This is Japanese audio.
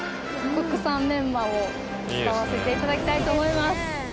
国産メンマを使わせていただきたいと思います。